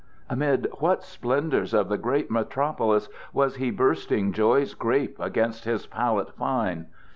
Amid what splendors of the great metropolis was he bursting Joy's grape against his palate fine?